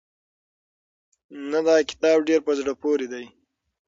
نه دا کتاب ډېر په زړه پورې دی.